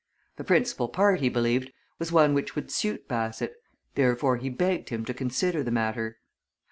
The principal part, he believed, was one which would suit Bassett therefore he begged him to consider the matter.